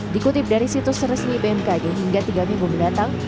dikutip dari situs resmi bmkg hingga tiga minggu mendatang